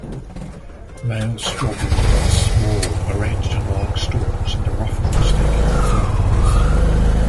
Male strobili are small, arranged in long stalks, and are often mistaken for flowers.